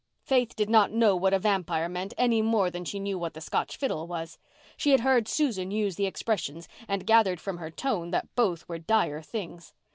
Faith did not know what a vampire meant any more than she knew what the Scotch fiddle was. She had heard Susan use the expressions and gathered from her tone that both were dire things.